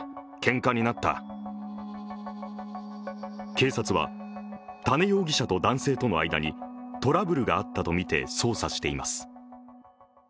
警察は多禰容疑者と男性との間にトラブルがあったとみて捜査しています。